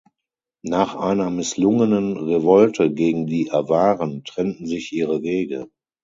Nach einer misslungenen Revolte gegen die Awaren trennten sich ihre Wege.